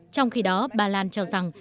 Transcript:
trong khi đó bà lan cho rằng